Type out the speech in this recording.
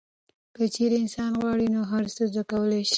که چیرې انسان غواړي نو هر څه زده کولی شي.